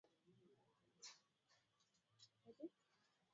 Nilitaka kuwa wa kwanza lakini si kutia bidii